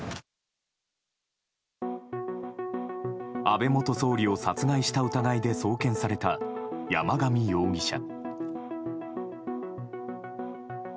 安倍元総理を殺害した疑いで送検された山上容疑者。